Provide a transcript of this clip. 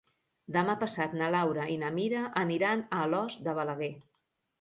Demà passat na Laura i na Mira aniran a Alòs de Balaguer.